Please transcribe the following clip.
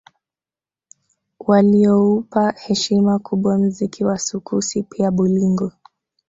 Walioupa heshima kubwa mziki wa sukusi pia bolingo